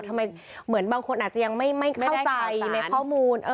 เหมือนบางคนอาจจะยังไม่เข้าใจในข้อมูล